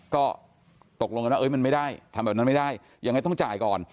ก็ตกลงกันว่ามันไม่ได้ทำแบบนั้นไม่ได้ยังไงต้องจ่ายก่อน